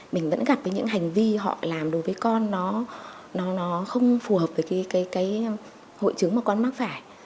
mình vẫn gặp với những hành vi họ làm đối với con nó không phù hợp với hội chứng mà con mắc phải